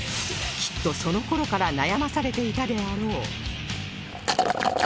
きっとその頃から悩まされていたであろう